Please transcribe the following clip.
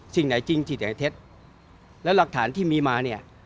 สิ่งไหนจริงสิ่งไหนเท็จแล้วหลักฐานที่มีมาเนี่ย